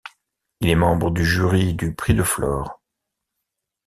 Il est membre du jury du prix de Flore.